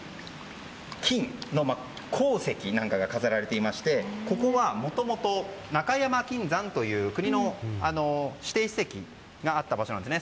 金の鉱石なんかが飾られていましてここはもともと中山金山という国の指定史跡があった場所です。